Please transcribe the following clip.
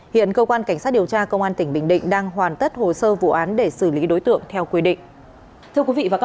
hiện cơ quan cảnh sát điều tra công an tỉnh bình định đang hoàn tất hồ sơ vụ án để xử lý đối tượng theo quy định